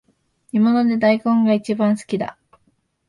煮物で大根がいちばん好きだ